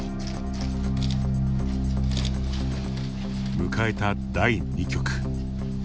迎えた第二局。